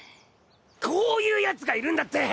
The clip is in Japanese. こういうやつがいるんだって！